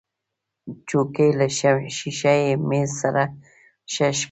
چوکۍ له شیشهيي میز سره ښه ښکاري.